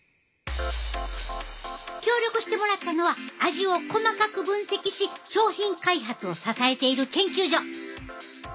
協力してもらったのは味を細かく分析し商品開発を支えている研究所。